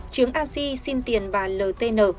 chiếng a si xin tiền bà l t n